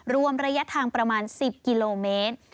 รวมระยะทางประมาณ๑๐กิโลเมตร